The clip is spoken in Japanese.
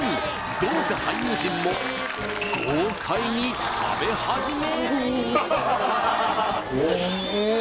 豪華俳優陣も豪快に食べ始め！